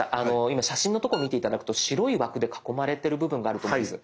今写真のとこ見て頂くと白い枠で囲まれてる部分があると思うんです。